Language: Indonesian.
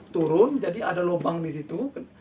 turun jadi ada lubang disitu